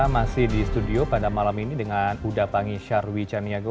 masih di studio pada malam ini dengan udapangi sharwi chaniago